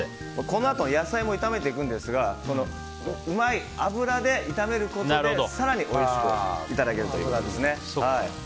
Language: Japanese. このあと野菜も炒めていくんですが脂で炒めることで更においしくいただけるということです。